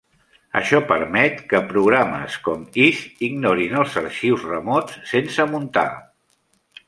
Això permet que programes com "Is" ignorin els arxius remots sense muntar.